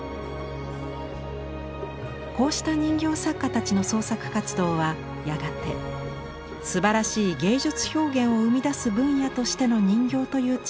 こうした人形作家たちの創作活動はやがてすばらしい芸術表現を生み出す分野としての人形という地位を確立させました。